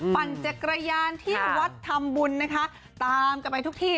ปั่นจักรยานที่วัดทำบุญนะคะตามกันไปทุกที่